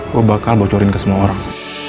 gue bakal bocorin ke semua orang